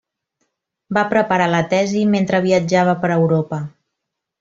Va preparar la tesi mentre viatjava per Europa.